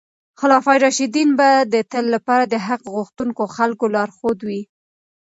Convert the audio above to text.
خلفای راشدین به د تل لپاره د حق غوښتونکو خلکو لارښود وي.